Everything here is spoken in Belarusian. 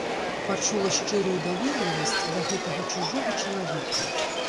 Пачула шчырую даверлівасць да гэтага чужога чалавека.